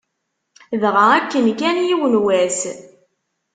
Dɣa akken-kan, yiwen n wass.